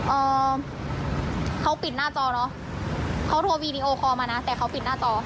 เอ่อเขาปิดหน้าจอเนอะเขาโทรวีดีโอคอลมานะแต่เขาปิดหน้าจอ